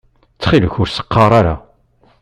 Ttxil-k ur s-qqaṛ ara.